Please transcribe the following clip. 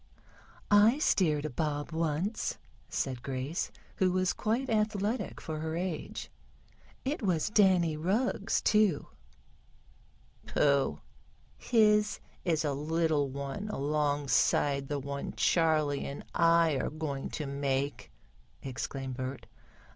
"I steered a bob once," said Grace, who was quite athletic for her age. "It was Danny Rugg's, too." "Pooh! His is a little one alongside the one Charley and I are going to make!" exclaimed Bert.